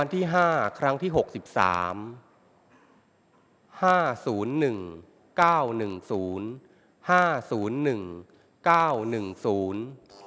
ที่ห้าครั้งที่หกสิบสามห้าศูนย์หนึ่งเก้าหนึ่งศูนย์ห้าศูนย์หนึ่งเก้าหนึ่งศูนย์